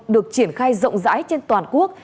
được triển khai rộng rãi trên toàn quốc